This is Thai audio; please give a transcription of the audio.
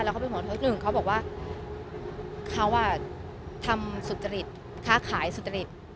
แล้วเขาบอกว่าเขาอ่ะทำสุจริตค้าขายสุจริต